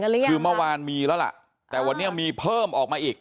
คือเมื่อวานมีแล้วล่ะแต่วันนี้มีเพิ่มออกมาอีก